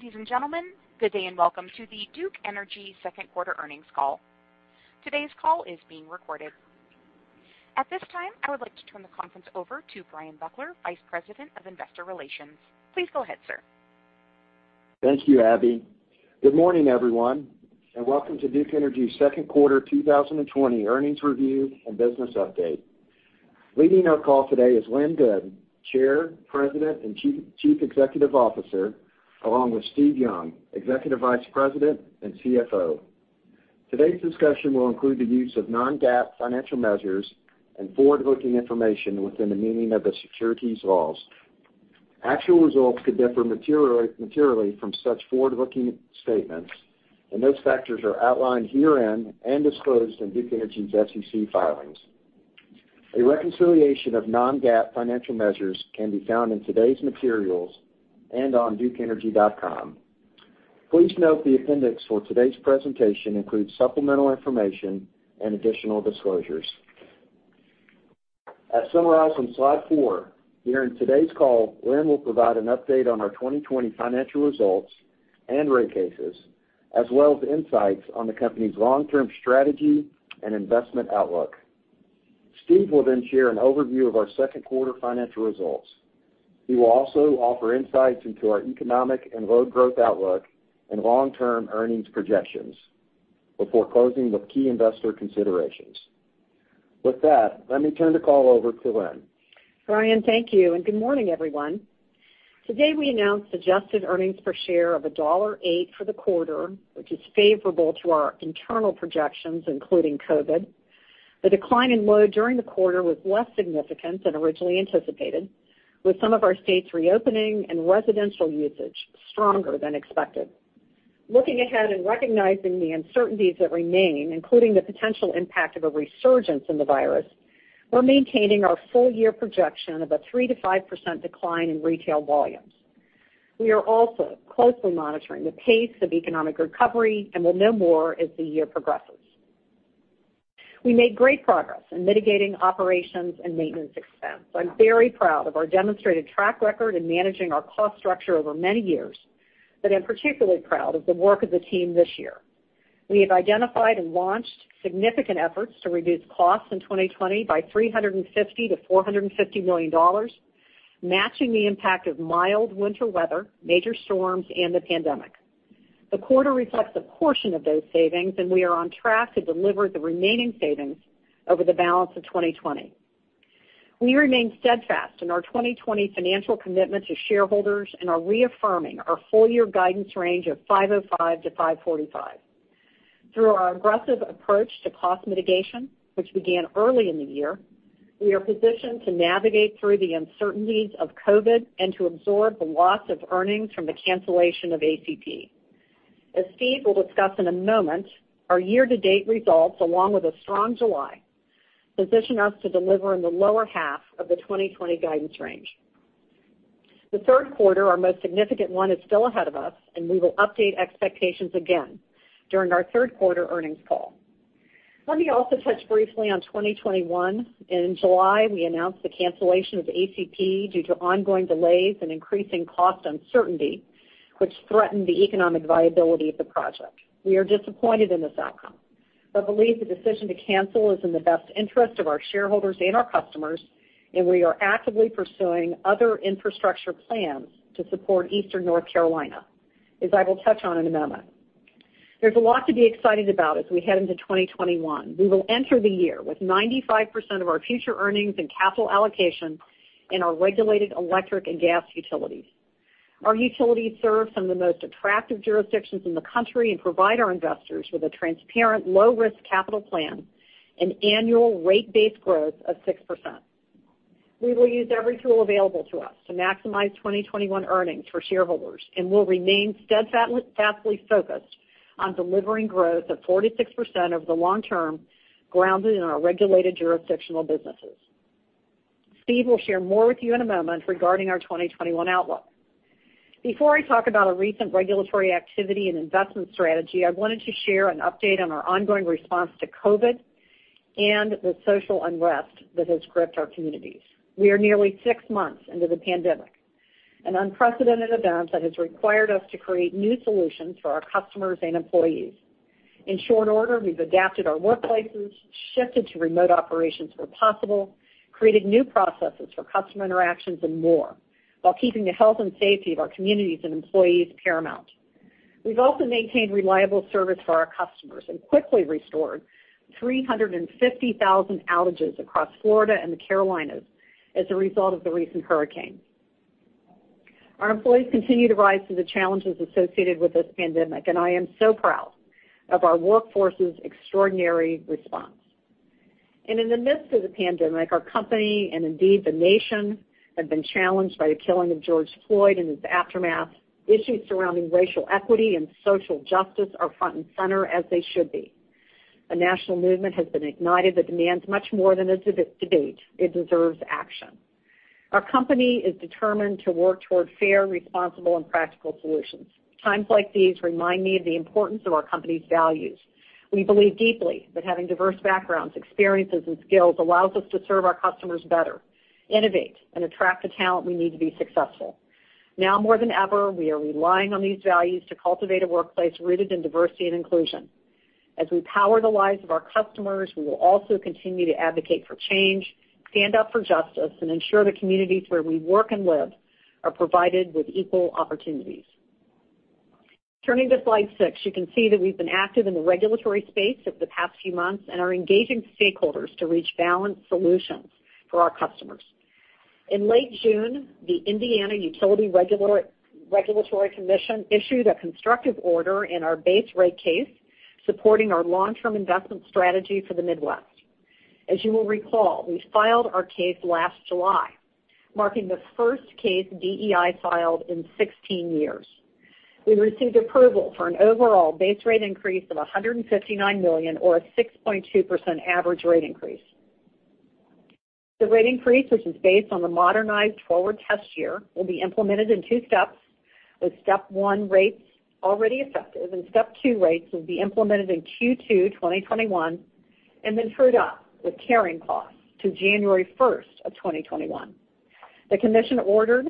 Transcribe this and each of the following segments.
Ladies and gentlemen, good day and welcome to the Duke Energy second quarter earnings call. Today's call is being recorded. At this time, I would like to turn the conference over to Bryan Buckler, Vice President of Investor Relations. Please go ahead, sir. Thank you, Abby. Good morning, everyone. Welcome to Duke Energy's second quarter 2020 earnings review and business update. Leading our call today is Lynn Good, Chair, President, and Chief Executive Officer, along with Steve Young, Executive Vice President and CFO. Today's discussion will include the use of non-GAAP financial measures and forward-looking information within the meaning of the securities laws. Actual results could differ materially from such forward-looking statements. Those factors are outlined herein and disclosed in Duke Energy's SEC filings. A reconciliation of non-GAAP financial measures can be found in today's materials and on duke-energy.com. Please note the appendix for today's presentation includes supplemental information and additional disclosures. As summarized on slide four, during today's call, Lynn will provide an update on our 2020 financial results and rate cases, as well as insights on the company's long-term strategy and investment outlook. Steve will share an overview of our second quarter financial results. He will also offer insights into our economic and load growth outlook and long-term earnings projections before closing with key investor considerations. With that, let me turn the call over to Lynn. Bryan, thank you, and good morning, everyone. Today, we announced adjusted earnings per share of $1.08 for the quarter, which is favorable to our internal projections, including COVID. The decline in load during the quarter was less significant than originally anticipated, with some of our states reopening and residential usage stronger than expected. Looking ahead and recognizing the uncertainties that remain, including the potential impact of a resurgence in the virus, we're maintaining our full-year projection of a 3%-5% decline in retail volumes. We are also closely monitoring the pace of economic recovery and will know more as the year progresses. We made great progress in mitigating operations and maintenance expense. I'm very proud of our demonstrated track record in managing our cost structure over many years, but I'm particularly proud of the work of the team this year. We have identified and launched significant efforts to reduce costs in 2020 by $350 million-$450 million, matching the impact of mild winter weather, major storms, and the pandemic. We are on track to deliver the remaining savings over the balance of 2020. We remain steadfast in our 2020 financial commitment to shareholders and are reaffirming our full-year guidance range of $5.05-$545. Through our aggressive approach to cost mitigation, which began early in the year, we are positioned to navigate through the uncertainties of COVID and to absorb the loss of earnings from the cancellation of ACP. As Steve will discuss in a moment, our year-to-date results, along with a strong July, position us to deliver in the lower half of the 2020 guidance range. The third quarter, our most significant one, is still ahead of us, and we will update expectations again during our third-quarter earnings call. Let me also touch briefly on 2021. In July, we announced the cancellation of ACP due to ongoing delays and increasing cost uncertainty, which threatened the economic viability of the project. We are disappointed in this outcome but believe the decision to cancel is in the best interest of our shareholders and our customers, and we are actively pursuing other infrastructure plans to support Eastern North Carolina, as I will touch on in a moment. There's a lot to be excited about as we head into 2021. We will enter the year with 95% of our future earnings and capital allocation in our regulated electric and gas utilities. Our utilities serve some of the most attractive jurisdictions in the country and provide our investors with a transparent, low-risk capital plan and annual rate base growth of 6%. We will use every tool available to us to maximize 2021 earnings for shareholders and will remain steadfastly focused on delivering growth of 4%-6% over the long term, grounded in our regulated jurisdictional businesses. Steve will share more with you in a moment regarding our 2021 outlook. Before I talk about our recent regulatory activity and investment strategy, I wanted to share an update on our ongoing response to COVID and the social unrest that has gripped our communities. We are nearly six months into the pandemic, an unprecedented event that has required us to create new solutions for our customers and employees. In short order, we've adapted our workplaces, shifted to remote operations where possible, created new processes for customer interactions, and more, while keeping the health and safety of our communities and employees paramount. We've also maintained reliable service for our customers and quickly restored 350,000 outages across Florida and the Carolinas as a result of the recent hurricane. Our employees continue to rise to the challenges associated with this pandemic. I am so proud of our workforce's extraordinary response. In the midst of the pandemic, our company and indeed the nation have been challenged by the killing of George Floyd and its aftermath. Issues surrounding racial equity and social justice are front and center as they should be. A national movement has been ignited that demands much more than a debate. It deserves action. Our company is determined to work toward fair, responsible, and practical solutions. Times like these remind me of the importance of our company's values. We believe deeply that having diverse backgrounds, experiences, and skills allows us to serve our customers better, innovate, and attract the talent we need to be successful. Now more than ever, we are relying on these values to cultivate a workplace rooted in diversity and inclusion. As we power the lives of our customers, we will also continue to advocate for change, stand up for justice, and ensure the communities where we work and live are provided with equal opportunities. Turning to slide six, you can see that we've been active in the regulatory space of the past few months and are engaging stakeholders to reach balanced solutions for our customers. In late June, the Indiana Utility Regulatory Commission issued a constructive order in our base rate case supporting our long-term investment strategy for the Midwest. As you will recall, we filed our case last July, marking the first case DEI filed in 16 years. We received approval for an overall base rate increase of $159 million or a 6.2% average rate increase. The rate increase, which is based on the modernized forward test year, will be implemented in two steps, with step one rates already effective, and step two rates will be implemented in Q2 2021, and then true'd up with carrying costs to January 1st, 2021. The commission ordered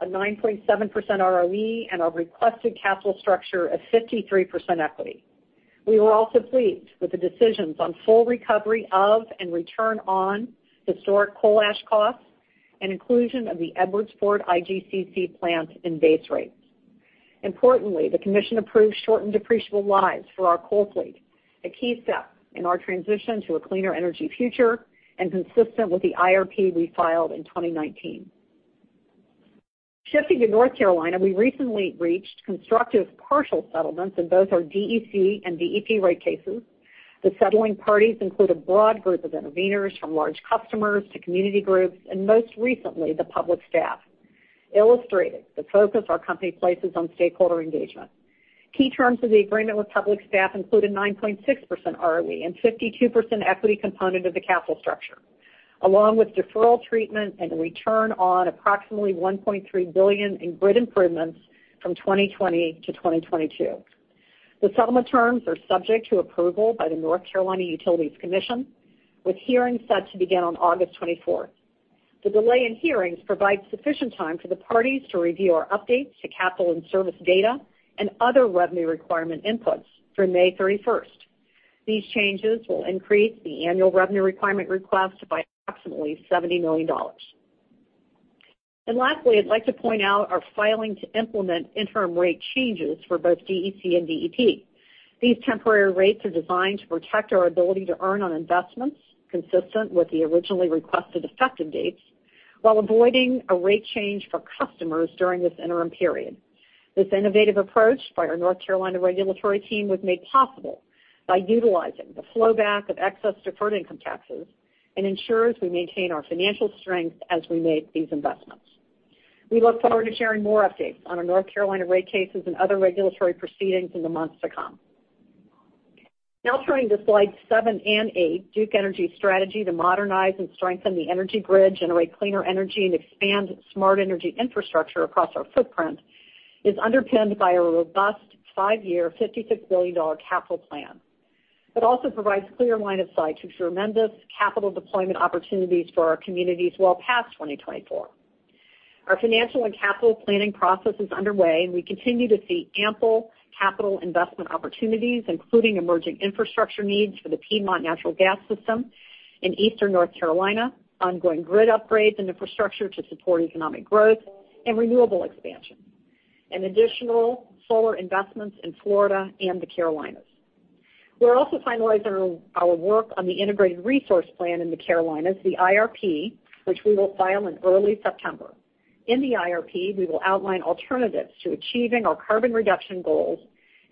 a 9.7% ROE and a requested capital structure of 53% equity. We were also pleased with the decisions on full recovery of and return on historic coal ash costs and inclusion of the Edwardsport IGCC plant in base rates. Importantly, the commission approved shortened depreciable lives for our coal fleet, a key step in our transition to a cleaner energy future and consistent with the IRP we filed in 2019. Shifting to North Carolina, we recently reached constructive partial settlements in both our DEC and DEP rate cases. The settling parties include a broad group of interveners from large customers to community groups, and most recently, the public staff, illustrating the focus our company places on stakeholder engagement. Key terms of the agreement with public staff include a 9.6% ROE and 52% equity component of the capital structure, along with deferral treatment and a return on approximately $1.3 billion in grid improvements from 2020 to 2022. The settlement terms are subject to approval by the North Carolina Utilities Commission, with hearings set to begin on August 24th. The delay in hearings provides sufficient time for the parties to review our updates to capital and service data and other revenue requirement inputs through May 31st. These changes will increase the annual revenue requirement request by approximately $70 million. Lastly, I'd like to point out our filing to implement interim rate changes for both DEC and DEP. These temporary rates are designed to protect our ability to earn on investments consistent with the originally requested effective dates while avoiding a rate change for customers during this interim period. This innovative approach by our North Carolina regulatory team was made possible by utilizing the flow back of excess deferred income taxes and ensures we maintain our financial strength as we make these investments. We look forward to sharing more updates on our North Carolina rate cases and other regulatory proceedings in the months to come. Now turning to slides seven and eight, Duke Energy's strategy to modernize and strengthen the energy bridge, generate cleaner energy, and expand smart energy infrastructure across our footprint is underpinned by a robust five-year $56 billion capital plan. It also provides clear line of sight to tremendous capital deployment opportunities for our communities well past 2024. Our financial and capital planning process is underway, and we continue to see ample capital investment opportunities, including emerging infrastructure needs for the Piedmont Natural Gas System in eastern North Carolina, ongoing grid upgrades and infrastructure to support economic growth and renewable expansion, and additional solar investments in Florida and the Carolinas. We're also finalizing our work on the Integrated Resource Plan in the Carolinas, the IRP, which we will file in early September. In the IRP, we will outline alternatives to achieving our carbon reduction goals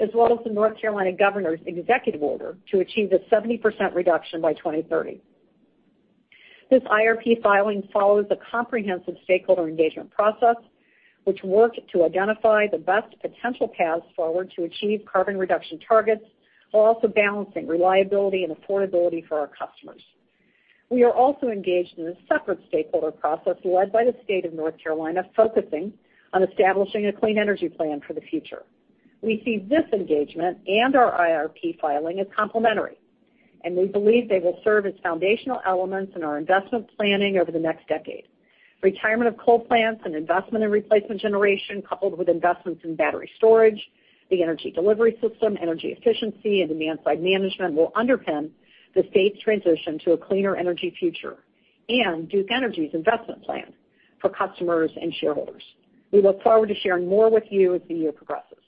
as well as the North Carolina Governor's Executive Order to achieve a 70% reduction by 2030. This IRP filing follows a comprehensive stakeholder engagement process which worked to identify the best potential paths forward to achieve carbon reduction targets while also balancing reliability and affordability for our customers. We are also engaged in a separate stakeholder process led by the state of North Carolina, focusing on establishing a clean energy plan for the future. We see this engagement and our IRP filing as complementary, and we believe they will serve as foundational elements in our investment planning over the next decade. Retirement of coal plants and investment in replacement generation coupled with investments in battery storage, the energy delivery system, energy efficiency, and demand-side management will underpin the state's transition to a cleaner energy future and Duke Energy's investment plan for customers and shareholders. We look forward to sharing more with you as the year progresses.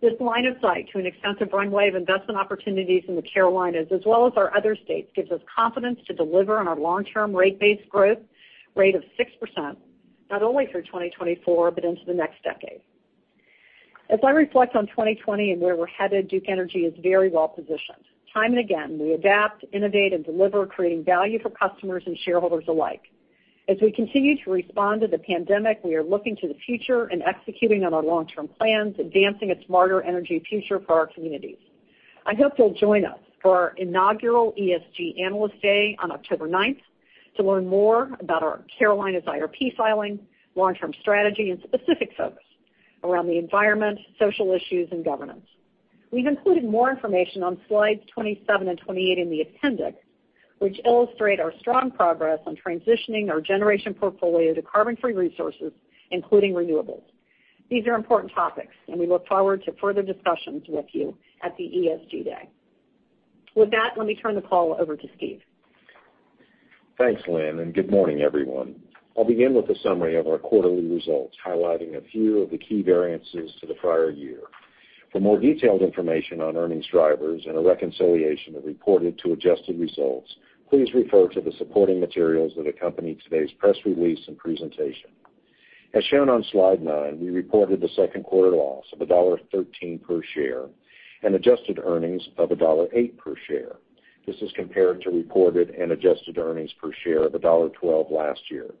This line of sight to an extensive runway of investment opportunities in the Carolinas as well as our other states gives us confidence to deliver on our long-term rate base growth rate of 6%, not only through 2024 but into the next decade. As I reflect on 2020 and where we're headed, Duke Energy is very well-positioned. Time and again, we adapt, innovate, and deliver, creating value for customers and shareholders alike. As we continue to respond to the pandemic, we are looking to the future and executing on our long-term plans, advancing a smarter energy future for our communities. I hope you'll join us for our inaugural ESG Analyst Day on October 9th to learn more about our Carolinas IRP filing, long-term strategy, and specific focus around the environment, social issues, and governance. We've included more information on slides 27 and 28 in the appendix, which illustrate our strong progress on transitioning our generation portfolio to carbon-free resources, including renewables. These are important topics, and we look forward to further discussions with you at the ESG Day. With that, let me turn the call over to Steve. Thanks, Lynn. Good morning, everyone. I'll begin with a summary of our quarterly results, highlighting a few of the key variances to the prior year. For more detailed information on earnings drivers and a reconciliation of reported to adjusted results, please refer to the supporting materials that accompany today's press release and presentation. As shown on slide nine, we reported a second quarter loss of $1.13 per share and adjusted earnings of $1.08 per share. This is compared to reported and adjusted earnings per share of $1.12 last year.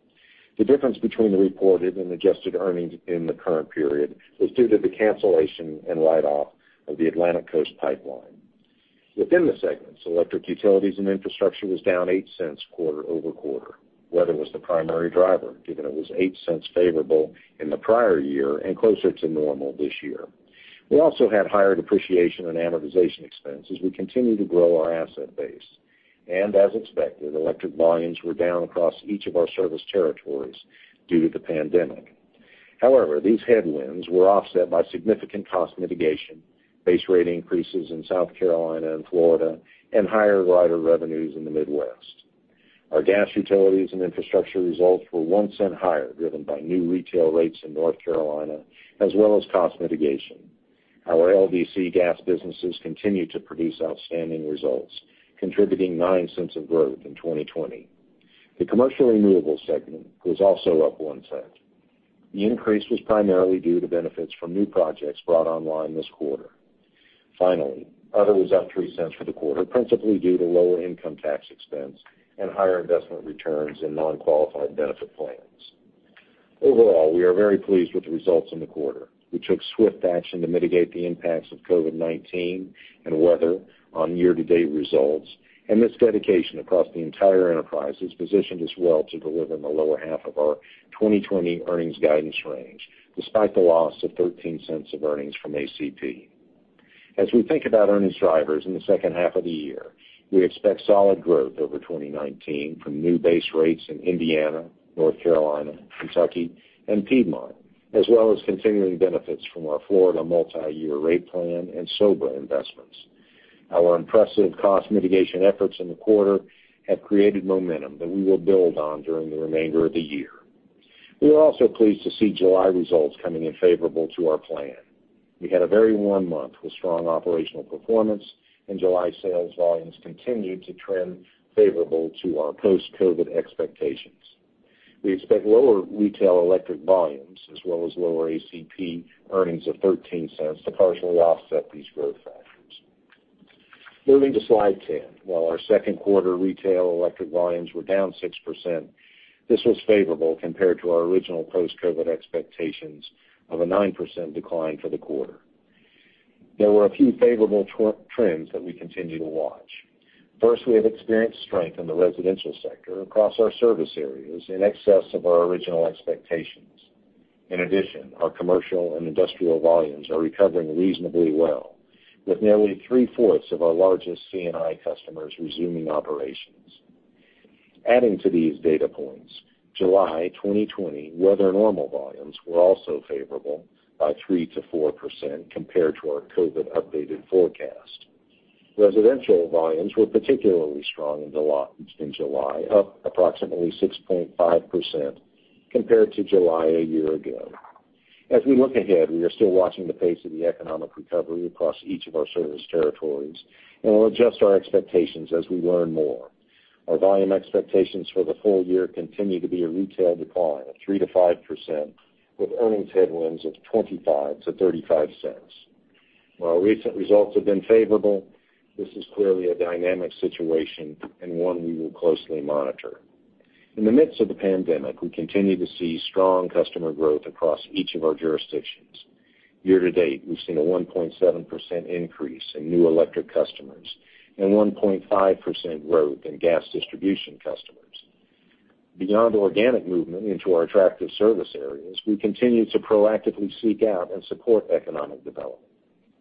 The difference between the reported and adjusted earnings in the current period was due to the cancellation and write-off of the Atlantic Coast Pipeline. Within the segments, electric utilities and infrastructure was down $0.08 quarter-over-quarter. Weather was the primary driver, given it was $0.08 favorable in the prior year and closer to normal this year. We also had higher depreciation and amortization expense as we continue to grow our asset base. As expected, electric volumes were down across each of our service territories due to the pandemic. However, these headwinds were offset by significant cost mitigation, base rate increases in South Carolina and Florida, and higher rider revenues in the Midwest. Our gas, utilities, and infrastructure results were $0.01 higher, driven by new retail rates in North Carolina, as well as cost mitigation. Our LDC gas businesses continue to produce outstanding results, contributing $0.09 of growth in 2020. The commercial renewables segment was also up $0.01. The increase was primarily due to benefits from new projects brought online this quarter. Other was up $0.03 for the quarter, principally due to lower income tax expense and higher investment returns in non-qualified benefit plans. Overall, we are very pleased with the results in the quarter. We took swift action to mitigate the impacts of COVID-19 and weather on year-to-date results, and this dedication across the entire enterprise has positioned us well to deliver in the lower half of our 2020 earnings guidance range, despite the loss of $0.13 of earnings from ACP. As we think about earnings drivers in the second half of the year, we expect solid growth over 2019 from new base rates in Indiana, North Carolina, Kentucky, and Piedmont, as well as continuing benefits from our Florida multi-year rate plan and SoBRA investments. Our impressive cost mitigation efforts in the quarter have created momentum that we will build on during the remainder of the year. We are also pleased to see July results coming in favorable to our plan. We had a very warm month with strong operational performance. July sales volumes continued to trend favorable to our post-COVID expectations. We expect lower retail electric volumes as well as lower ACP earnings of $0.13 to partially offset these growth factors. Moving to slide 10. While our second quarter retail electric volumes were down 6%, this was favorable compared to our original post-COVID expectations of a 9% decline for the quarter. There were a few favorable trends that we continue to watch. First, we have experienced strength in the residential sector across our service areas in excess of our original expectations. In addition, our commercial and industrial volumes are recovering reasonably well, with nearly three-fourths of our largest C&I customers resuming operations. Adding to these data points, July 2020 weather normal volumes were also favorable by 3%-4% compared to our COVID updated forecast. Residential volumes were particularly strong in July, up approximately 6.5% compared to July a year ago. As we look ahead, we are still watching the pace of the economic recovery across each of our service territories, and we'll adjust our expectations as we learn more. Our volume expectations for the full year continue to be a retail decline of 3%-5%, with earnings headwinds of $0.25-$0.35. While recent results have been favorable, this is clearly a dynamic situation and one we will closely monitor. In the midst of the pandemic, we continue to see strong customer growth across each of our jurisdictions. Year to date, we've seen a 1.7% increase in new electric customers and 1.5% growth in gas distribution customers. Beyond organic movement into our attractive service areas, we continue to proactively seek out and support economic development.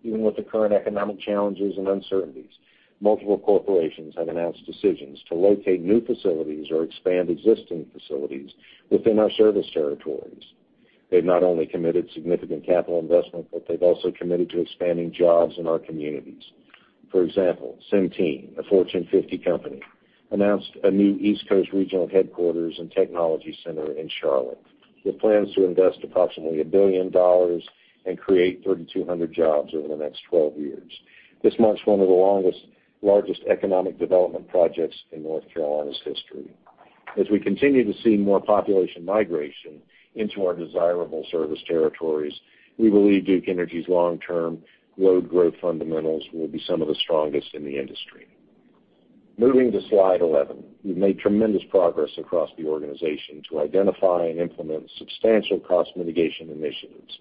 Even with the current economic challenges and uncertainties, multiple corporations have announced decisions to locate new facilities or expand existing facilities within our service territories. They've not only committed significant capital investment, but they've also committed to expanding jobs in our communities. For example, Centene, a Fortune 50 company, announced a new East Coast regional headquarters and technology center in Charlotte. It plans to invest approximately $1 billion and create 3,200 jobs over the next 12 years. This marks one of the longest, largest economic development projects in North Carolina's history. As we continue to see more population migration into our desirable service territories, we believe Duke Energy's long-term load growth fundamentals will be some of the strongest in the industry. Moving to slide 11. We've made tremendous progress across the organization to identify and implement substantial cost mitigation initiatives.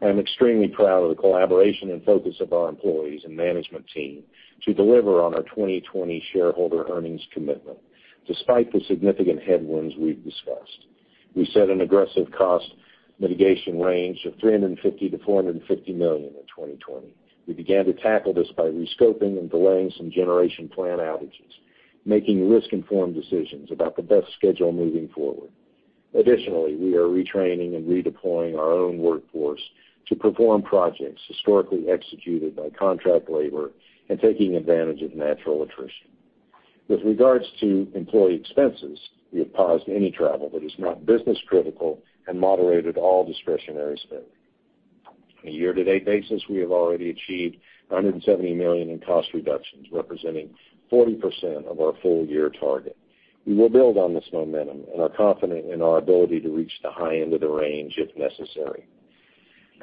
I'm extremely proud of the collaboration and focus of our employees and management team to deliver on our 2020 shareholder earnings commitment, despite the significant headwinds we've discussed. We set an aggressive cost mitigation range of $350 million-$450 million in 2020. We began to tackle this by rescoping and delaying some generation plant outages, making risk-informed decisions about the best schedule moving forward. Additionally, we are retraining and redeploying our own workforce to perform projects historically executed by contract labor and taking advantage of natural attrition. With regards to employee expenses, we have paused any travel that is not business-critical and moderated all discretionary spend. On a year-to-date basis, we have already achieved $170 million in cost reductions, representing 40% of our full-year target. We will build on this momentum and are confident in our ability to reach the high end of the range if necessary.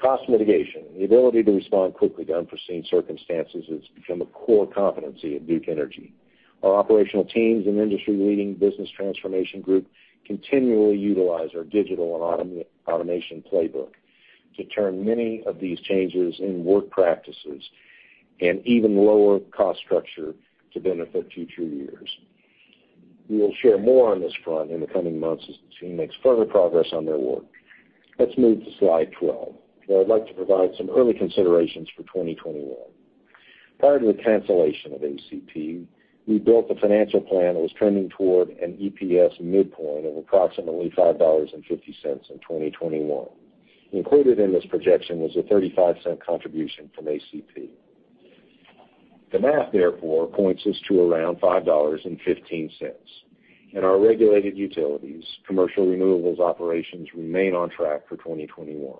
Cost mitigation, the ability to respond quickly to unforeseen circumstances has become a core competency at Duke Energy. Our operational teams and industry-leading business transformation group continually utilize our digital and automation playbook to turn many of these changes in work practices and even lower cost structure to benefit future years. We will share more on this front in the coming months as the team makes further progress on their work. Let's move to slide 12, where I'd like to provide some early considerations for 2021. Prior to the cancellation of ACP, we built a financial plan that was trending toward an EPS midpoint of approximately $5.50 in 2021. Included in this projection was a $0.35 contribution from ACP. The math, therefore, points us to around $5.15. In our regulated utilities, commercial renewables operations remain on track for 2021.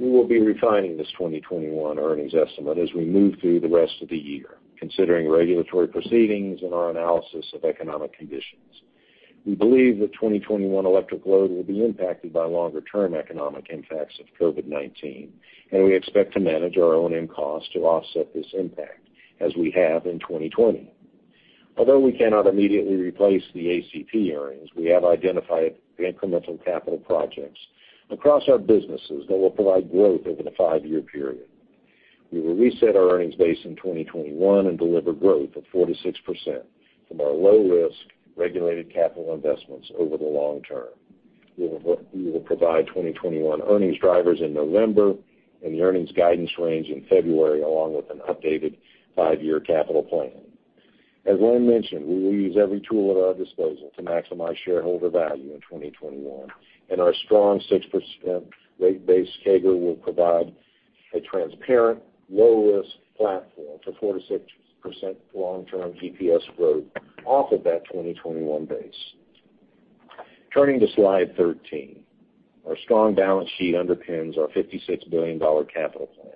We will be refining this 2021 earnings estimate as we move through the rest of the year, considering regulatory proceedings and our analysis of economic conditions. We believe that 2021 electric load will be impacted by longer-term economic impacts of COVID-19, and we expect to manage our own input costs to offset this impact, as we have in 2020. Although we cannot immediately replace the ACP earnings, we have identified incremental capital projects across our businesses that will provide growth over the five-year period. We will reset our earnings base in 2021 and deliver growth of 4%-6% from our low-risk regulated capital investments over the long term. We will provide 2021 earnings drivers in November and the earnings guidance range in February, along with an updated five-year capital plan. As Lynn mentioned, we will use every tool at our disposal to maximize shareholder value in 2021, and our strong 6% rate base CAGR will provide a transparent, low-risk platform for 4%-6% long-term EPS growth off of that 2021 base. Turning to slide 13. Our strong balance sheet underpins our $56 billion capital plan.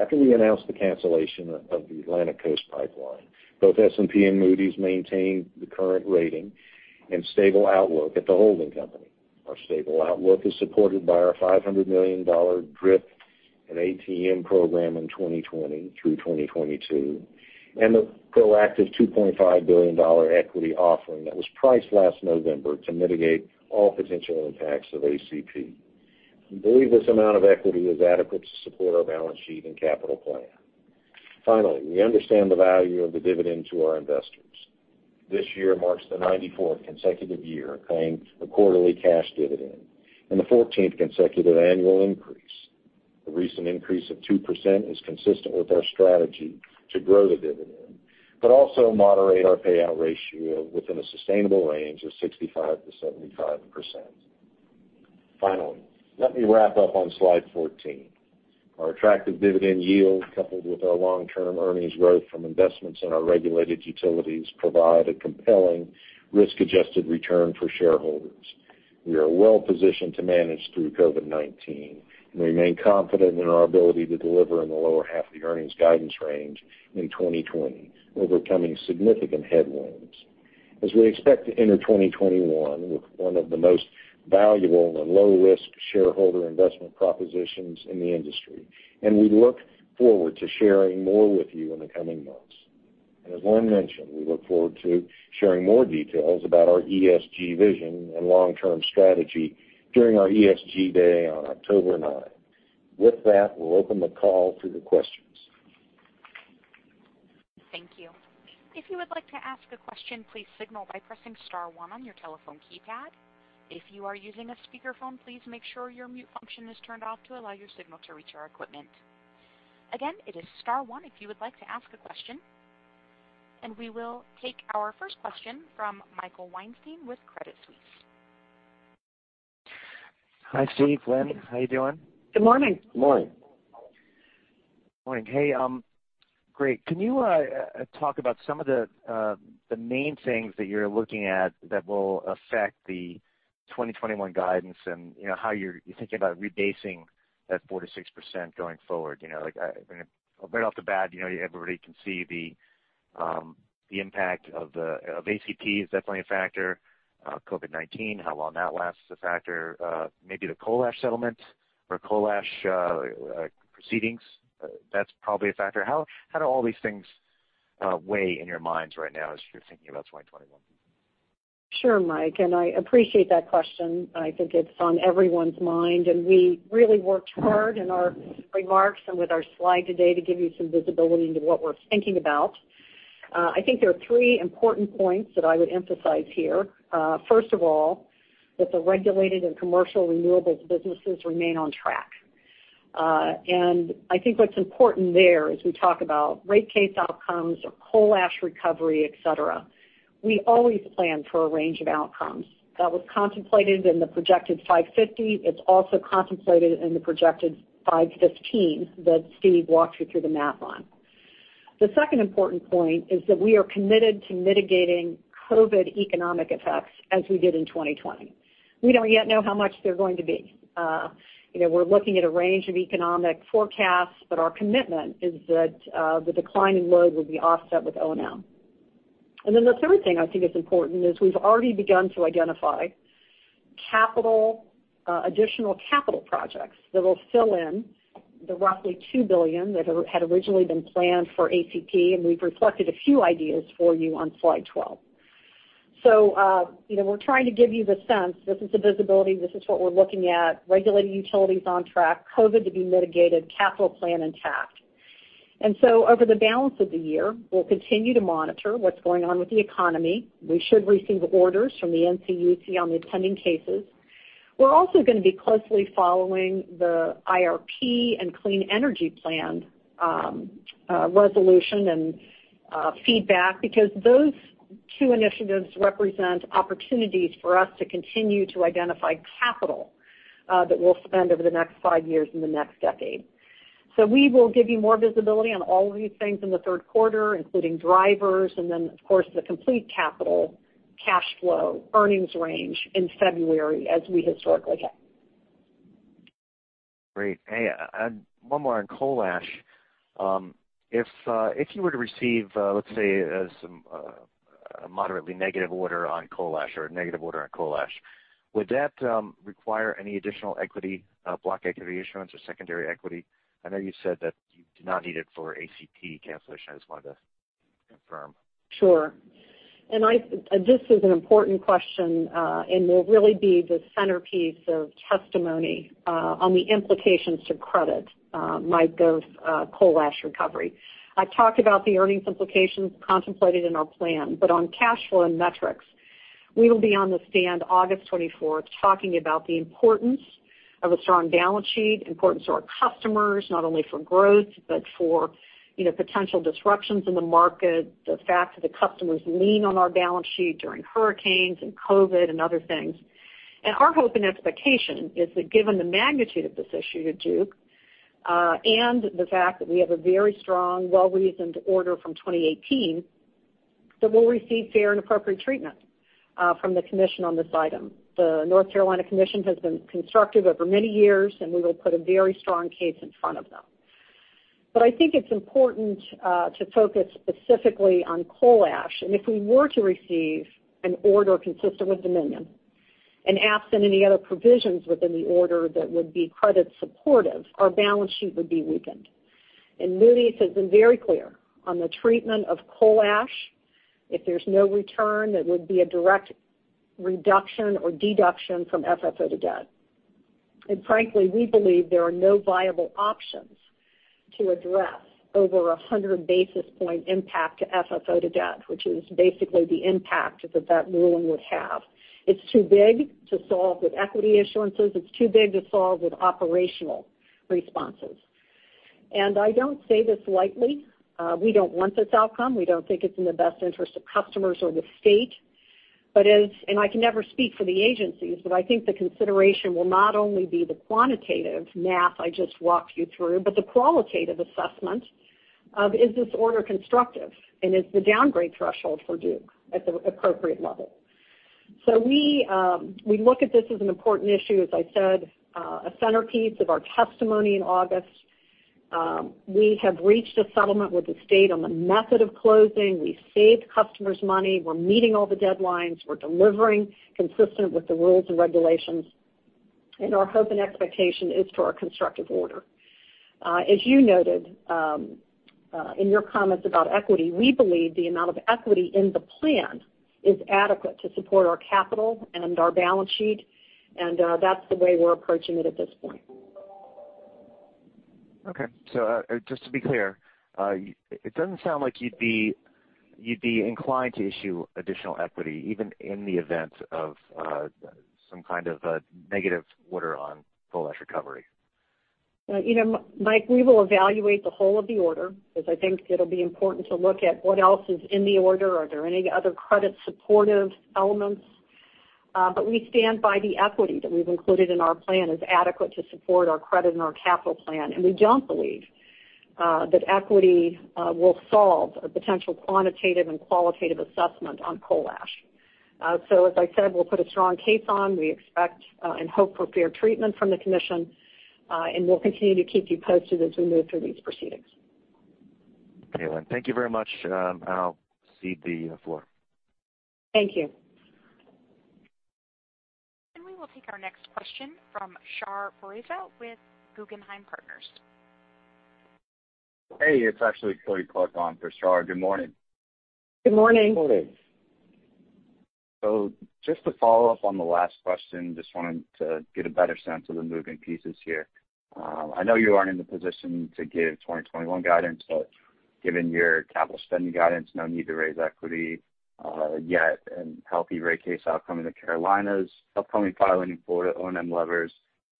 After we announced the cancellation of the Atlantic Coast Pipeline, both S&P and Moody's maintained the current rating and stable outlook at the holding company. Our stable outlook is supported by our $500 million DRIP and ATM program in 2020 through 2022 and the proactive $2.5 billion equity offering that was priced last November to mitigate all potential impacts of ACP. We believe this amount of equity is adequate to support our balance sheet and capital plan. Finally, we understand the value of the dividend to our investors. This year marks the 94th consecutive year of paying a quarterly cash dividend and the 14th consecutive annual increase. The recent increase of 2% is consistent with our strategy to grow the dividend, but also moderate our payout ratio within a sustainable range of 65%-75%. Let me wrap up on slide 14. Our attractive dividend yield, coupled with our long-term earnings growth from investments in our regulated utilities, provide a compelling risk-adjusted return for shareholders. We are well-positioned to manage through COVID-19 and remain confident in our ability to deliver in the lower half of the earnings guidance range in 2020, overcoming significant headwinds. We expect to enter 2021 with one of the most valuable and low-risk shareholder investment propositions in the industry, and we look forward to sharing more with you in the coming months. As Lynn mentioned, we look forward to sharing more details about our ESG vision and long-term strategy during our ESG Day on October nine. With that, we'll open the call to the questions. Thank you. If you would like to ask a question, please signal by pressing star one on your telephone keypad. If you are using a speakerphone, please make sure your mute function is turned off to allow your signal to reach our equipment. Again, it is star one if you would like to ask a question. We will take our first question from Michael Weinstein with Credit Suisse. Hi, Steve, Lynn. How you doing? Good morning. Morning. Morning. Hey, great. Can you talk about some of the main things that you're looking at that will affect the 2021 guidance and how you're thinking about rebasing that 4% to 6% going forward? Right off the bat, everybody can see the impact of ACP is definitely a factor. COVID-19, how long that lasts is a factor. Maybe the coal ash settlement or coal ash proceedings, that's probably a factor. How do all these things weigh in your minds right now as you're thinking about 2021? Sure, Mike, and I appreciate that question. I think it's on everyone's mind, and we really worked hard in our remarks and with our slide today to give you some visibility into what we're thinking about. I think there are three important points that I would emphasize here. First of all, that the regulated and commercial renewables businesses remain on track. I think what's important there, as we talk about rate case outcomes or coal ash recovery, et cetera, we always plan for a range of outcomes. That was contemplated in the projected $5.50. It's also contemplated in the projected $5.15 that Steve walked you through the math on. The second important point is that we are committed to mitigating COVID economic effects as we did in 2020. We don't yet know how much they're going to be. We're looking at a range of economic forecasts, but our commitment is that the declining load will be offset with O&M. The third thing I think is important is we've already begun to identify additional capital projects that will fill in the roughly $2 billion that had originally been planned for ACP, and we've reflected a few ideas for you on slide 12. We're trying to give you the sense this is the visibility, this is what we're looking at, regulating utilities on track, COVID to be mitigated, capital plan intact. Over the balance of the year, we'll continue to monitor what's going on with the economy. We should receive orders from the NCUC on the pending cases. We're also going to be closely following the IRP and Clean Energy Plan resolution and feedback because those two initiatives represent opportunities for us to continue to identify capital that we'll spend over the next five years and the next decade. We will give you more visibility on all of these things in the third quarter, including drivers, and then, of course, the complete capital cash flow earnings range in February as we historically have. Great. One more on coal ash. If you were to receive, let's say, a moderately negative order on coal ash or a negative order on coal ash, would that require any additional block equity issuance or secondary equity? I know you said that you do not need it for ACP cancellation. I just wanted to confirm. Sure. This is an important question, and will really be the centerpiece of testimony on the implications to credit, Mike, those coal ash recovery. I talked about the earnings implications contemplated in our plan, but on cash flow and metrics, we will be on the stand August 24th talking about the importance of a strong balance sheet, importance to our customers, not only for growth, but for potential disruptions in the market, the fact that the customers lean on our balance sheet during hurricanes and COVID and other things. Our hope and expectation is that given the magnitude of this issue to Duke, and the fact that we have a very strong, well-reasoned order from 2018, that we'll receive fair and appropriate treatment from the commission on this item. The North Carolina Commission has been constructive over many years. We will put a very strong case in front of them. I think it's important to focus specifically on coal ash. If we were to receive an order consistent with Dominion, and absent any other provisions within the order that would be credit supportive, our balance sheet would be weakened. Moody's has been very clear on the treatment of coal ash. If there's no return, it would be a direct reduction or deduction from FFO to debt. Frankly, we believe there are no viable options to address over 100 basis point impact to FFO to debt, which is basically the impact that that ruling would have. It's too big to solve with equity issuances. It's too big to solve with operational responses. I don't say this lightly. We don't want this outcome. We don't think it's in the best interest of customers or the state. I can never speak for the agencies, I think the consideration will not only be the quantitative math I just walked you through, but the qualitative assessment of is this order constructive, and is the downgrade threshold for Duke at the appropriate level? We look at this as an important issue, as I said, a centerpiece of our testimony in August. We have reached a settlement with the state on the method of closing. We've saved customers money. We're meeting all the deadlines. We're delivering consistent with the rules and regulations, our hope and expectation is for a constructive order. As you noted in your comments about equity, we believe the amount of equity in the plan is adequate to support our capital and our balance sheet, and that's the way we're approaching it at this point. Okay. Just to be clear, it doesn't sound like you'd be inclined to issue additional equity even in the event of some kind of a negative order on coal ash recovery. Mike, we will evaluate the whole of the order because I think it'll be important to look at what else is in the order. Are there any other credit-supportive elements? We stand by the equity that we've included in our plan as adequate to support our credit and our capital plan, and we don't believe that equity will solve a potential quantitative and qualitative assessment on coal ash. As I said, we'll put a strong case on. We expect and hope for fair treatment from the commission, and we'll continue to keep you posted as we move through these proceedings. Okay. Thank you very much. I'll cede the floor. Thank you. We will take our next question from Shar Pourreza with Guggenheim Partners. Hey, it's actually Kody Clark on for Shar. Good morning. Good morning. Good morning. Just to follow up on the last question, just wanted to get a better sense of the moving pieces here. I know you aren't in the position to give 2021 guidance, but given your capital spending guidance, no need to raise equity yet, and healthy rate case outcome in the Carolinas, upcoming filing in Florida O&M levers,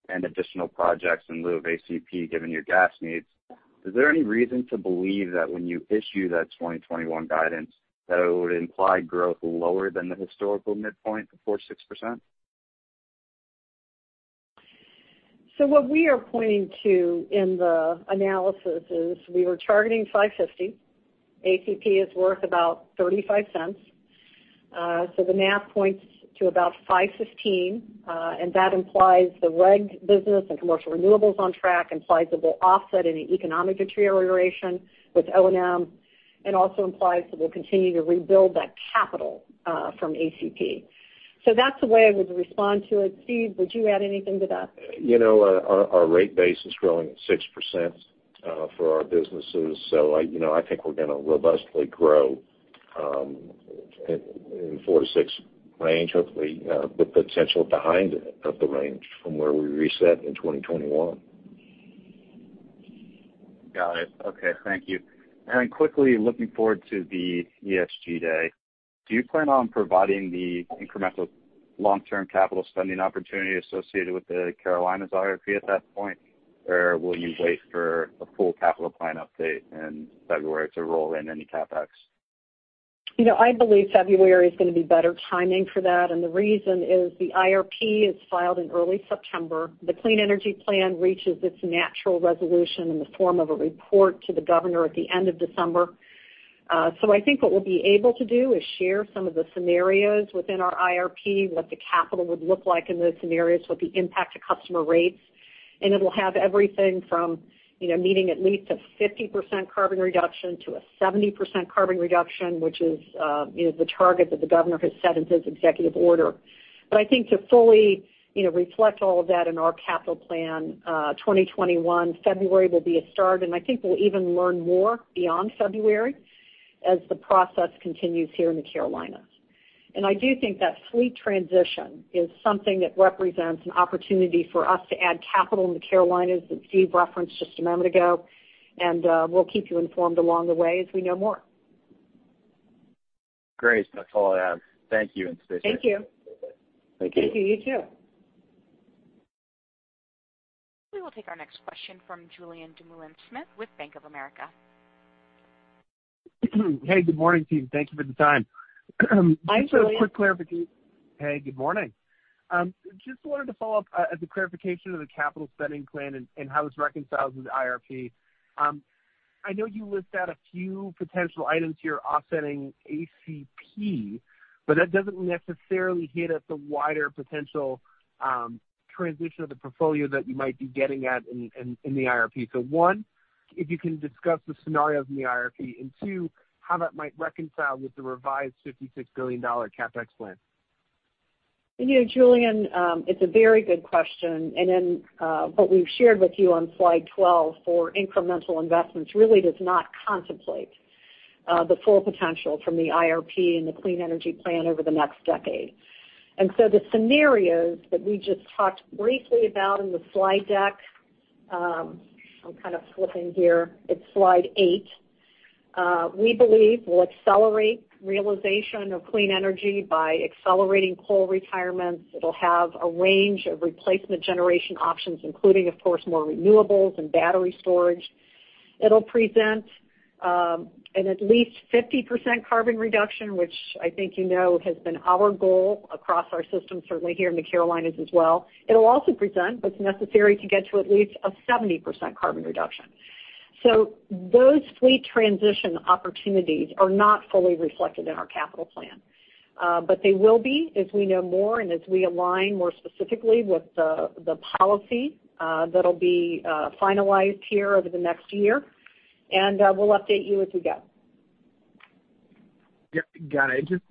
and additional projects in lieu of ACP given your gas needs, is there any reason to believe that when you issue that 2021 guidance, that it would imply growth lower than the historical midpoint of 4%-6%? What we are pointing to in the analysis is we were targeting $5.50. ACP is worth about $0.35. The math points to about $5.15. That implies the reg business and commercial renewables on track, implies that we'll offset any economic deterioration with O&M, and also implies that we'll continue to rebuild that capital from ACP. That's the way I would respond to it. Steve, would you add anything to that? Our rate base is growing at 6% for our businesses. I think we're going to robustly grow in 4%-6% range, hopefully with potential behind it, of the range from where we reset in 2021. Got it. Okay. Thank you. Quickly looking forward to the ESG day. Do you plan on providing the incremental long-term capital spending opportunity associated with the Carolinas IRP at that point? Will you wait for a full capital plan update in February to roll in any CapEx? I believe February is going to be better timing for that. The reason is the IRP is filed in early September. The Clean Energy Plan reaches its natural resolution in the form of a report to the governor at the end of December. I think what we'll be able to do is share some of the scenarios within our IRP, what the capital would look like in those scenarios, what the impact to customer rates. It'll have everything from meeting at least a 50% carbon reduction to a 70% carbon reduction, which is the target that the governor has set in his executive order. I think to fully reflect all of that in our capital plan 2021, February will be a start, and I think we'll even learn more beyond February as the process continues here in the Carolinas. I do think that fleet transition is something that represents an opportunity for us to add capital in the Carolinas that Steve referenced just a moment ago, and we'll keep you informed along the way as we know more. Great. That's all I have. Thank you and stay safe. Thank you. Thank you. Thank you. You too. We will take our next question from Julien Dumoulin-Smith with Bank of America. Hey, good morning, team. Thank you for the time. Hi, Julien. Just a quick clarification. Hey, good morning. Just wanted to follow up as a clarification of the capital spending plan and how it's reconciled with the IRP. I know you list out a few potential items here offsetting ACP. That doesn't necessarily hit at the wider potential transition of the portfolio that you might be getting at in the IRP. One, if you can discuss the scenarios in the IRP, and two, how that might reconcile with the revised $56 billion CapEx plan. Julien, it's a very good question. In what we've shared with you on slide 12 for incremental investments really does not contemplate the full potential from the IRP and the Clean Energy Plan over the next decade. The scenarios that we just talked briefly about in the slide deck, I'm kind of flipping here. It's slide eight. We believe we'll accelerate realization of clean energy by accelerating coal retirements. It'll have a range of replacement generation options, including, of course, more renewables and battery storage. It'll present an at least 50% carbon reduction, which I think you know has been our goal across our system, certainly here in the Carolinas as well. It'll also present what's necessary to get to at least a 70% carbon reduction. Those fleet transition opportunities are not fully reflected in our capital plan. They will be as we know more and as we align more specifically with the policy that'll be finalized here over the next year, and we'll update you as we go. Yep. Got it. Just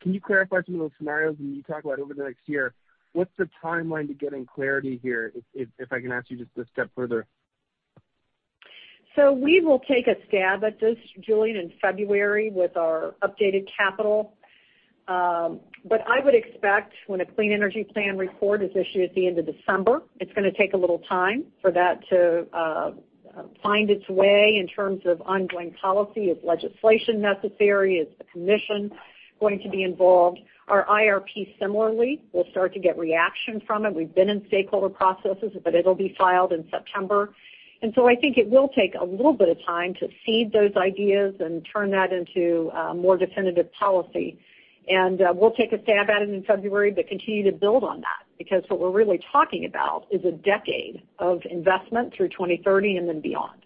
can you clarify some of those scenarios when you talk about over the next year? What's the timeline to getting clarity here, if I can ask you just a step further? We will take a stab at this, Julien, in February with our updated capital. I would expect when a Clean Energy Plan report is issued at the end of December, it's going to take a little time for that to find its way in terms of ongoing policy. Is legislation necessary? Is the commission going to be involved? Our IRP similarly, we'll start to get reaction from it. We've been in stakeholder processes, but it'll be filed in September. I think it will take a little bit of time to seed those ideas and turn that into a more definitive policy. We'll take a stab at it in February, but continue to build on that, because what we're really talking about is a decade of investment through 2030 and then beyond.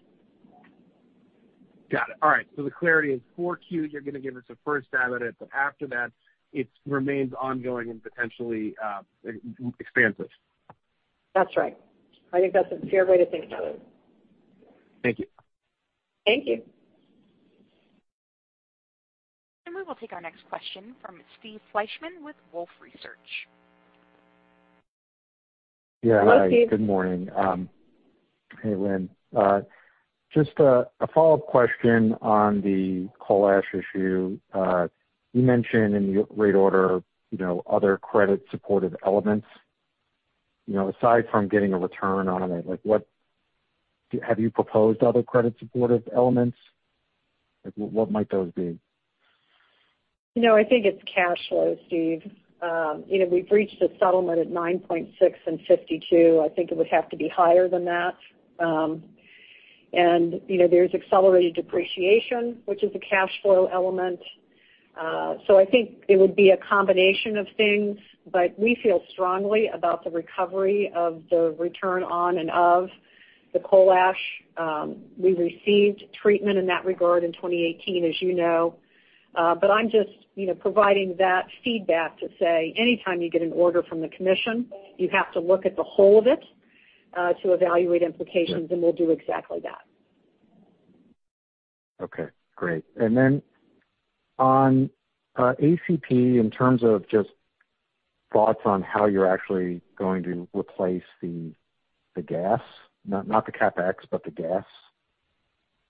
Got it. All right. The clarity is 4Q, you're going to give us a first stab at it, but after that, it remains ongoing and potentially expansive. That's right. I think that's a fair way to think about it. Thank you. Thank you. We will take our next question from Steve Fleishman with Wolfe Research. Yeah. Hello, Steve. Hi, good morning. Hey, Lynn. Just a follow-up question on the coal ash issue. You mentioned in the rate order other credit supportive elements. Aside from getting a return on it, have you proposed other credit supportive elements? What might those be? No, I think it's cash flow, Steve. We've reached a settlement at 9.6 and 52. I think it would have to be higher than that. There's accelerated depreciation, which is a cash flow element. I think it would be a combination of things, but we feel strongly about the recovery of the return on and of the coal ash. We received treatment in that regard in 2018, as you know. I'm just providing that feedback to say, anytime you get an order from the commission, you have to look at the whole of it, to evaluate implications, and we'll do exactly that. Okay, great. On ACP, in terms of just thoughts on how you're actually going to replace the gas, not the CapEx, but the gas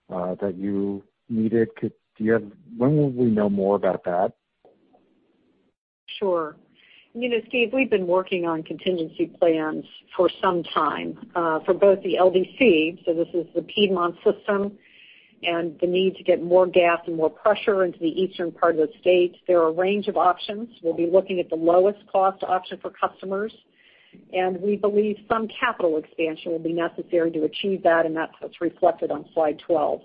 that you needed. When will we know more about that? Sure. Steve, we've been working on contingency plans for some time, for both the LDC, so this is the Piedmont system, and the need to get more gas and more pressure into the eastern part of the state. There are a range of options. We'll be looking at the lowest cost option for customers, and we believe some capital expansion will be necessary to achieve that, and that's what's reflected on slide 12.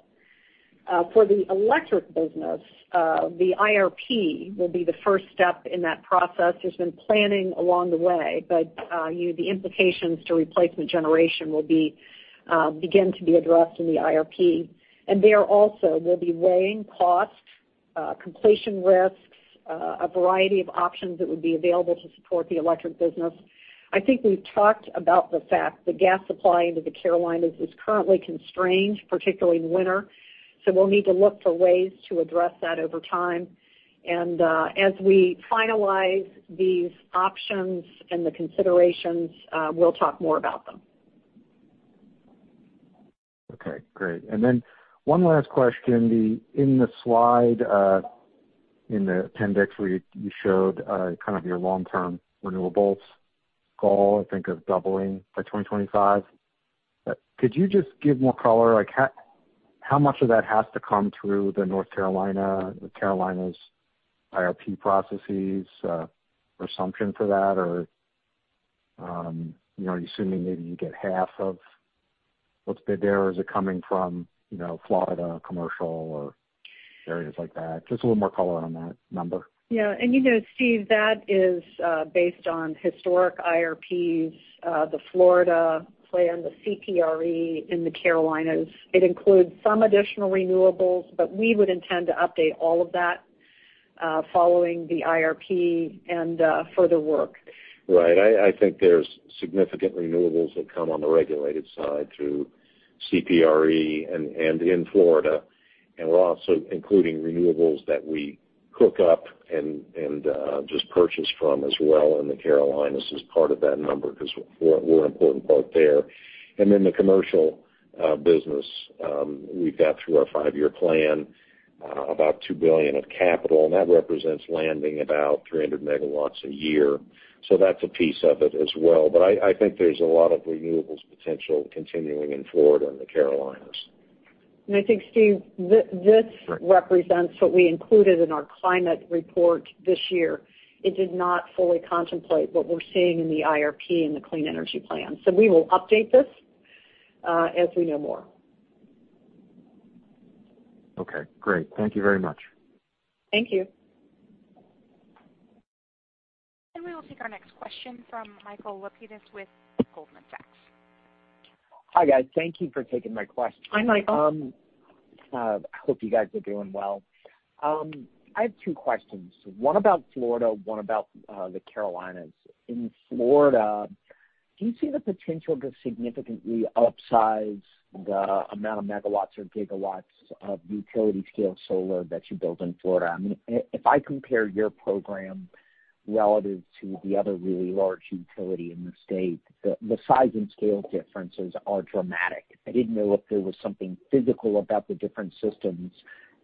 For the electric business, the IRP will be the first step in that process. There's been planning along the way, but the implications to replacement generation will begin to be addressed in the IRP. There also, we'll be weighing cost, completion risks, a variety of options that would be available to support the electric business. I think we've talked about the fact the gas supply into the Carolinas is currently constrained, particularly in winter, we'll need to look for ways to address that over time. As we finalize these options and the considerations, we'll talk more about them. Okay, great. One last question. In the slide, in the appendix, where you showed kind of your long-term renewables goal, I think of doubling by 2025. Could you just give more color? How much of that has to come through the North Carolina, the Carolinas IRP processes assumption for that? Or are you assuming maybe you get half of what's been there, or is it coming from Florida commercial or areas like that? Just a little more color on that number. Yeah. Steve, that is based on historic IRPs, the Florida plan, the CPRE in the Carolinas. It includes some additional renewables, we would intend to update all of that following the IRP and further work. Right. I think there's significant renewables that come on the regulated side through CPRE and in Florida. We're also including renewables that we hook up and just purchase from as well in the Carolinas as part of that number because we're an important part there. Then the commercial business, we've got through our five-year plan about $2 billion of capital, and that represents landing about 300 megawatts a year. That's a piece of it as well. I think there's a lot of renewables potential continuing in Florida and the Carolinas. I think, Steve, this represents what we included in our climate report this year. It did not fully contemplate what we're seeing in the IRP and the Clean Energy Plan. We will update this as we know more. Okay, great. Thank you very much. Thank you. We will take our next question from Michael Lapides with Goldman Sachs. Hi, guys. Thank you for taking my question. Hi, Michael. I hope you guys are doing well. I have two questions. One about Florida, one about the Carolinas. In Florida, do you see the potential to significantly upsize the amount of megawatts or gigawatts of utility-scale solar that you build in Florida? If I compare your program relative to the other really large utility in the state, the size and scale differences are dramatic. I didn't know if there was something physical about the different systems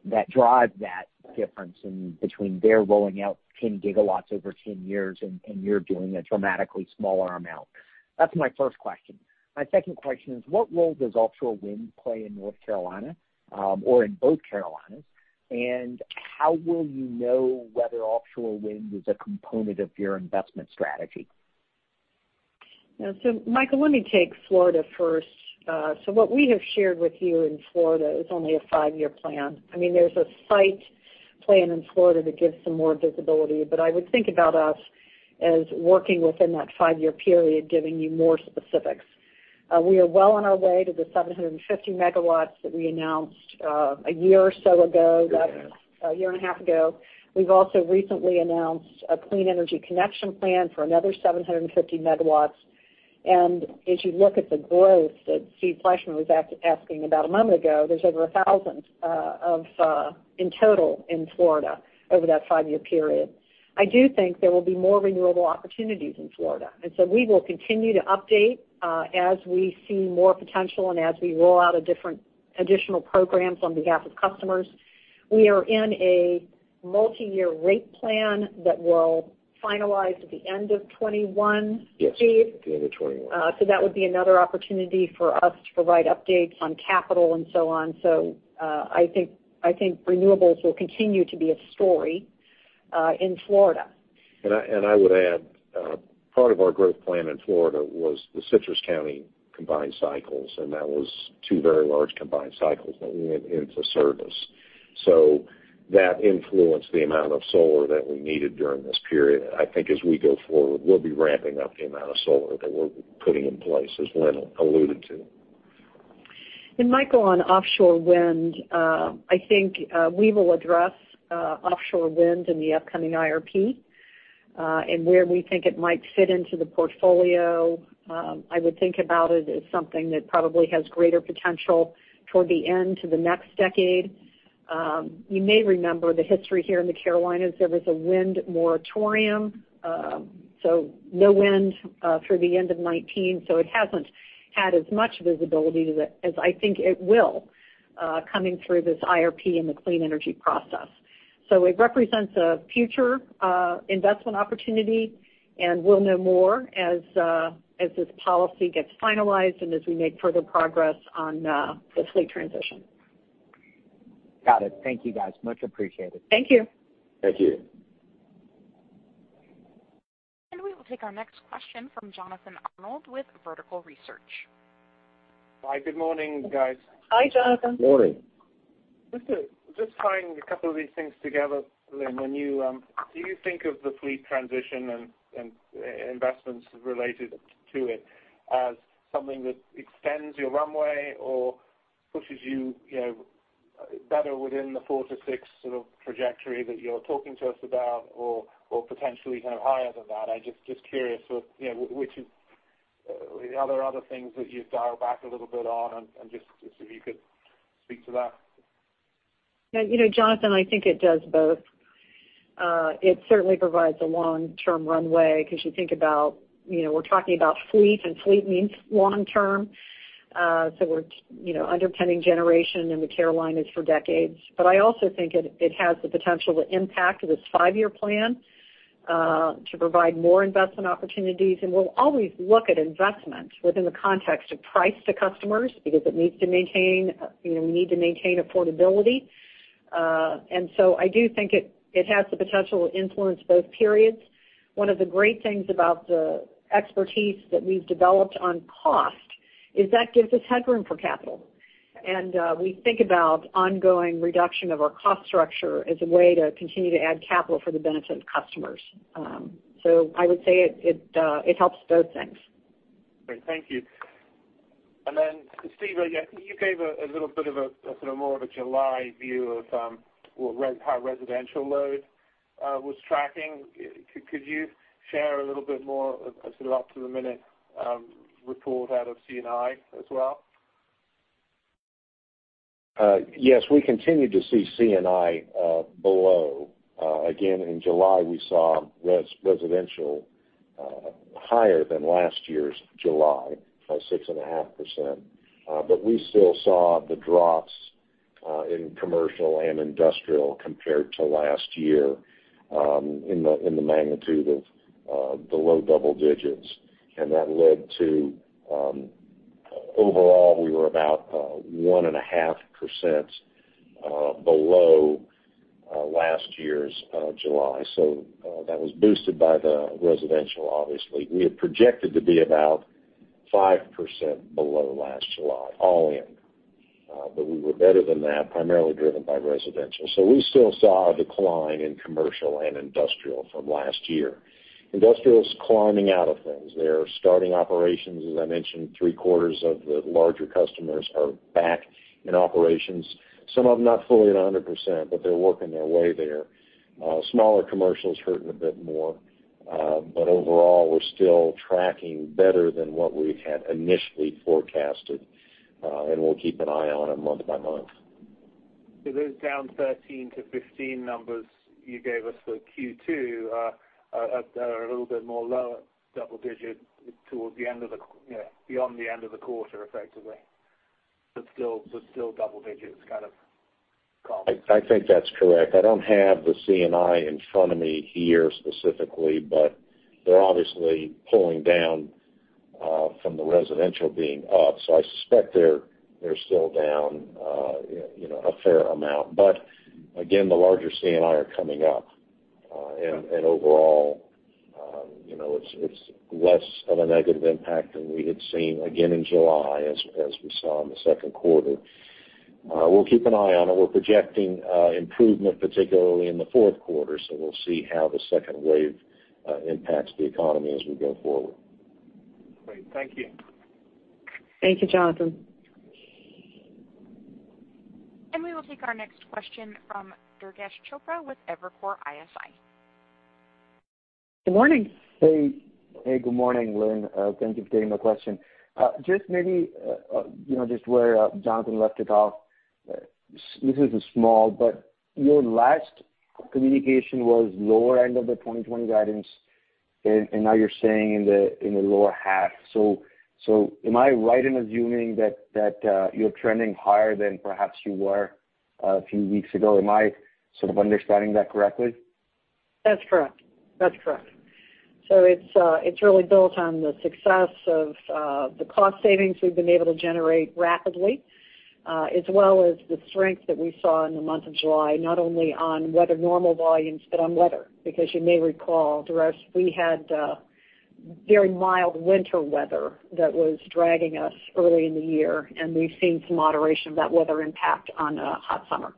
that drive that difference between their rolling out 10 GW over 10 years and you're doing a dramatically smaller amount. That's my first question. My second question is, what role does offshore wind play in North Carolina, or in both Carolinas? How will you know whether offshore wind is a component of your investment strategy? Michael, let me take Florida first. What we have shared with you in Florida is only a five-year plan. There's a site plan in Florida that gives some more visibility, but I would think about us as working within that 5-year period, giving you more specifics. We are well on our way to the 750 megawatts that we announced a year or so ago, about a year and a half ago. We've also recently announced a Clean Energy Connection plan for another 750 megawatts. As you look at the growth that Steve Fleishman was asking about a moment ago, there's over 1,000 in total in Florida over that five-year period. I do think there will be more renewable opportunities in Florida. We will continue to update as we see more potential and as we roll out different additional programs on behalf of customers. We are in a multi-year rate plan that will finalize at the end of 2021, Steve? Yes, the end of 2021. That would be another opportunity for us to provide updates on capital and so on. I think renewables will continue to be a story in Florida. I would add, part of our growth plan in Florida was the Citrus County combined cycles, and that was two very large combined cycles that went into service. That influenced the amount of solar that we needed during this period. I think as we go forward, we'll be ramping up the amount of solar that we're putting in place, as Lynn alluded to. Michael, on offshore wind, I think we will address offshore wind in the upcoming IRP, and where we think it might fit into the portfolio. I would think about it as something that probably has greater potential toward the end to the next decade. You may remember the history here in the Carolinas, there was a wind moratorium. No wind through the end of 2019, so it hasn't had as much visibility as I think it will coming through this IRP and the clean energy process. It represents a future investment opportunity, and we'll know more as this policy gets finalized and as we make further progress on the fleet transition. Got it. Thank you, guys. Much appreciated. Thank you. Thank you. We will take our next question from Jonathan Arnold with Vertical Research. Hi, good morning guys. Hi, Jonathan. Morning. Just tying a couple of these things together, Lynn. Do you think of the fleet transition and investments related to it as something that extends your runway or pushes you better within the four to six sort of trajectory that you're talking to us about or potentially kind of higher than that? I'm just curious, are there other things that you've dialed back a little bit on? And just if you could speak to that. Jonathan, I think it does both. It certainly provides a long-term runway because you think about we're talking about fleet, and fleet means long term. We're underpinning generation in the Carolinas for decades. I also think it has the potential to impact this five-year plan to provide more investment opportunities. We'll always look at investment within the context of price to customers because we need to maintain affordability. I do think it has the potential to influence both periods. One of the great things about the expertise that we've developed on cost is that gives us headroom for capital. We think about ongoing reduction of our cost structure as a way to continue to add capital for the benefit of customers. I would say it helps both things. Great. Thank you. Steve, you gave a little bit of a sort of more of a July view of how residential load was tracking. Could you share a little bit more of a sort of up-to-the-minute report out of C&I as well? Yes, we continue to see C&I below. Again, in July, we saw residential higher than last year's July by 6.5%. We still saw the drops in commercial and industrial compared to last year in the magnitude of the low double digits. That led to overall, we were about 1.5% below last year's July. That was boosted by the residential, obviously. We had projected to be about 5% below last July, all in. We were better than that, primarily driven by residential. We still saw a decline in commercial and industrial from last year. Industrial's climbing out of things. They are starting operations. As I mentioned, three-quarters of the larger customers are back in operations. Some of them not fully at 100%, but they're working their way there. Smaller commercial's hurting a bit more. Overall, we're still tracking better than what we had initially forecasted. We'll keep an eye on it month by month. Those down 13 to 15 numbers you gave us for Q2 are a little bit more lower double-digit beyond the end of the quarter, effectively. Still double digits kind of comp. I think that's correct. I don't have the C&I in front of me here specifically, but they're obviously pulling down from the residential being up, so I suspect they're still down a fair amount. Again, the larger C&I are coming up. Overall it's less of a negative impact than we had seen again in July as we saw in the second quarter. We'll keep an eye on it. We're projecting improvement particularly in the fourth quarter, so we'll see how the second wave impacts the economy as we go forward. Great. Thank you. Thank you, Jonathan. We'll take our next question from Durgesh Chopra with Evercore ISI. Good morning. Hey, good morning, Lynn. Thank you for taking my question. Just maybe, just where Jonathan left it off, this is small, but your last communication was lower end of the 2020 guidance, and now you're saying in the lower half. Am I right in assuming that you're trending higher than perhaps you were a few weeks ago? Am I sort of understanding that correctly? That's correct. It's really built on the success of the cost savings we've been able to generate rapidly, as well as the strength that we saw in the month of July, not only on weather normal volumes, but on weather, because you may recall, Durgesh, we had very mild winter weather that was dragging us early in the year, and we've seen some moderation of that weather impact on a hot summer.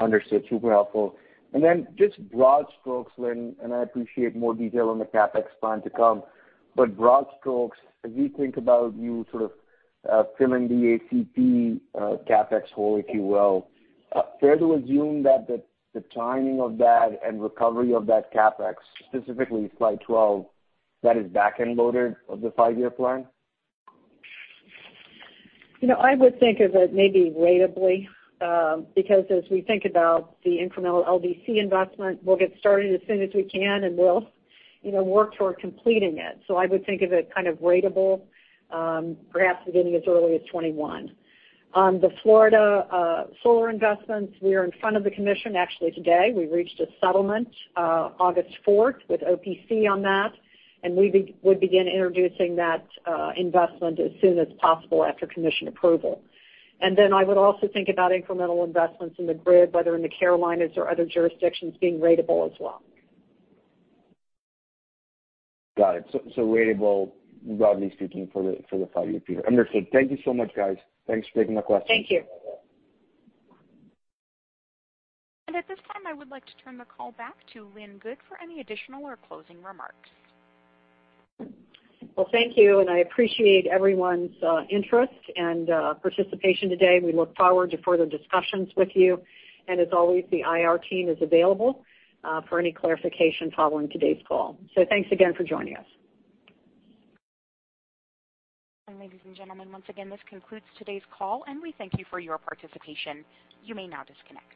Understood. Super helpful. Just broad strokes, Lynn, and I appreciate more detail on the CapEx plan to come, but broad strokes, as we think about you sort of filling the ACP CapEx hole, if you will, fair to assume that the timing of that and recovery of that CapEx, specifically slide 12, that is back-end loaded of the five-year plan? I would think of it maybe ratably, because as we think about the incremental LDC investment, we'll get started as soon as we can, and we'll work toward completing it. I would think of it kind of ratable, perhaps beginning as early as 2021. On the Florida solar investments, we are in front of the Commission actually today. We reached a settlement August fourth with OPC on that, and we would begin introducing that investment as soon as possible after Commission approval. I would also think about incremental investments in the grid, whether in the Carolinas or other jurisdictions, being ratable as well. Got it. Ratable broadly speaking for the five-year period. Understood. Thank you so much, guys. Thanks for taking my questions. Thank you. At this time, I would like to turn the call back to Lynn Good for any additional or closing remarks. Well, thank you, and I appreciate everyone's interest and participation today. We look forward to further discussions with you. As always, the IR team is available for any clarification following today's call. Thanks again for joining us. Ladies and gentlemen, once again, this concludes today's call, and we thank you for your participation. You may now disconnect.